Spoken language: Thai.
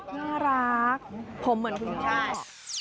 น่ารักผมเหมือนคุณพ่อ